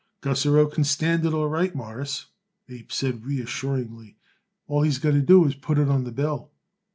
"Gussarow can stand it all right, Mawruss," Abe said reassuringly. "All he's got to do is to put it on the bill."